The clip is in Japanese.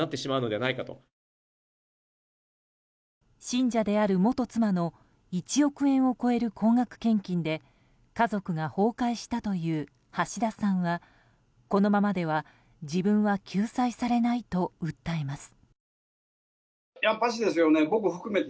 信者である元妻の１億円を超える高額献金で家族が崩壊したという橋田さんはこのままでは自分は救済されないと訴えます。